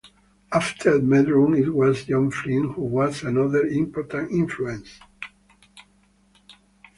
After Meldrum it was John Flint who was another important influence.